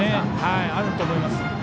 あると思います。